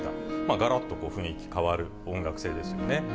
がらっと雰囲気変わる音楽性ですよね。